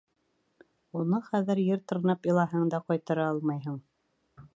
Уны хәҙер, ер тырнап илаһаң да, ҡайтара алмайһың...